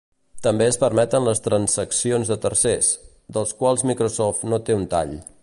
També es permeten les transaccions de tercers, dels quals Microsoft no té un tall.